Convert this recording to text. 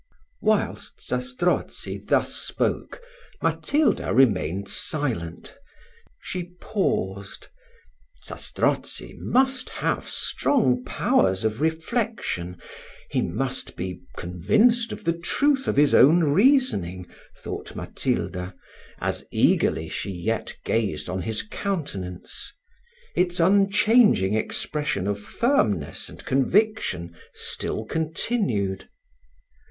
Whilst Zastrozzi thus spoke, Matilda remained silent, she paused. Zastrozzi must have strong powers of reflection; he must be convinced of the truth of his own reasoning, thought Matilda, as eagerly she yet gazed on his countenance Its unchanging expression of firmness and conviction still continued.